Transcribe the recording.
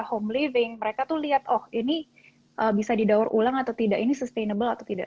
home living mereka tuh lihat oh ini bisa didaur ulang atau tidak ini sustainable atau tidak